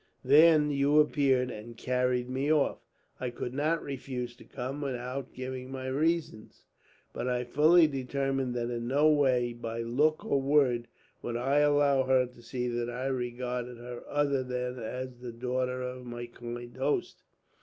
"Then you appeared, and carried me off. I could not refuse to come, without giving my reason; but I fully determined that in no way, by look or word, would I allow her to see that I regarded her other than as the daughter of my kind host.